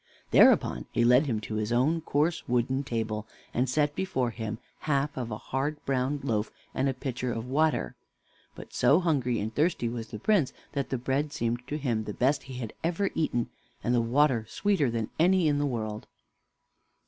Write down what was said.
Thereupon he led him to his own coarse wooden table, and set before him half of a hard brown loaf and a pitcher of water; but so hungry and thirsty was the Prince that the bread seemed to him the best he had ever eaten, and the water sweeter than any in the world.